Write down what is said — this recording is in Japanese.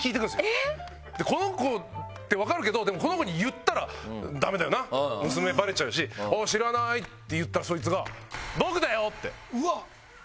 えっ？でこの子って分かるけどでもこの子に言ったらダメだよな娘バレちゃうし「あ知らない」って言ったらそいつが。うわ。